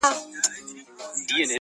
د زړه له درده دا نارۍ نه وهم,